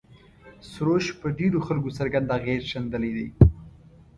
سروش پر ډېرو خلکو څرګند اغېز ښندلی دی.